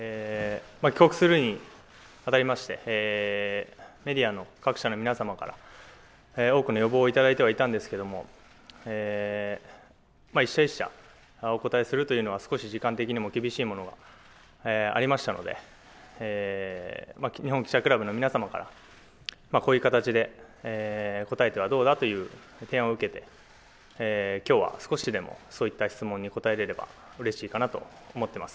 帰国するに当たりまして、メディアの各社の皆さまから多くの要望をいただいてはいたんですけれども、１社１社お答えするというのは少し時間的にも厳しいものがありましたので、日本記者クラブの皆さまからこういう形で答えてはどうだという提案を受けて、きょうは少しでもそういった質問に答えられればうれしいかなと思っています。